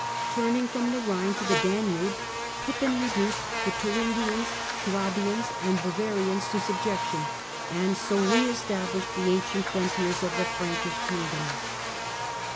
Turning from the Ehine to the Danube, Pippin reduced the Thur ingians, Suabians and Bavarians to subjection, and so re established the ancient frontiers of the Frankish kingdom.